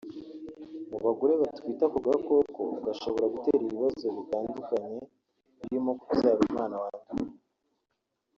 Mu bagore batwite aka gakoko gashobora gutera ibibazo bitandukanye birimo kubyara umwana wanduye